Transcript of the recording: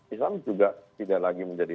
islam juga tidak lagi menjadi